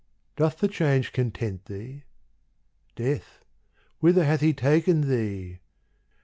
doth the change content thee? — Death, whither hath he taken thee